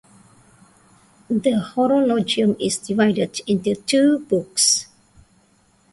The Horologium is divided into two books.